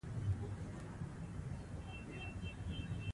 خپل اهداف وپیژنو.